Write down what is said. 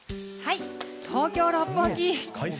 東京・六本木。